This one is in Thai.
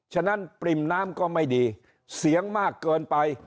ฉะนั้นปริ่มน้ำก็ไม่ดีเสียงมากเกินไป